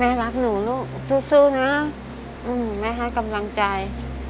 รักหนูลูกสู้นะแม่ให้กำลังใจ